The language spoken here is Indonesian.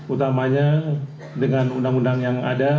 utamanya dengan undang undang yang ada